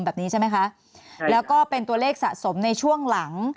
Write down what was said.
แบบนี้ใช่ไหมคะแล้วก็เป็นตัวเลขสะสมในช่วงหลัง